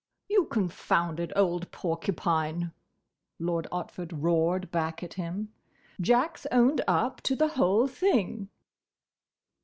"You confounded old porcupine," Lord Otford roared back at him, "Jack 's owned up to the whole thing!"